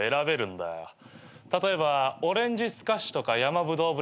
例えばオレンジスカッシュとか山ぶどうブレンド。